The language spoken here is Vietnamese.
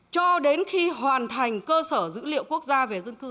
cho đến khi hoàn thành cơ sở dữ liệu quốc gia về dân cư